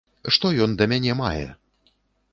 Што ён да мяне мае?